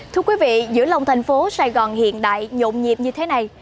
thưa quý vị giữa lòng thành phố sài gòn hiện đại nhộn nhịp như thế này